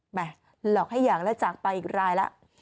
แหม่หลอกให้อย่างแล้วจังไปอีกรายล่ะ